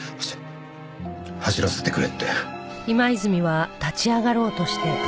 走らせてくれって。